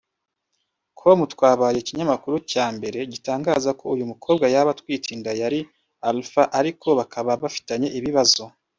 com twabaye ikinyamakuru cya mbere gitangaza ko uyu mukobwa yaba atwite inda yari Alpha ariko bakaba bafitanye ibibazo